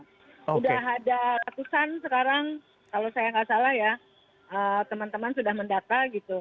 sudah ada ratusan sekarang kalau saya nggak salah ya teman teman sudah mendata gitu